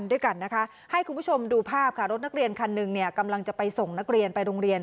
โอโหระทึกจริง